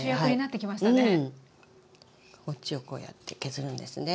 こっちをこうやって削るんですね。